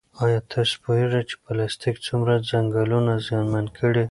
ایا تاسو پوهېږئ چې پلاستیک څومره ځنګلونه زیانمن کړي؟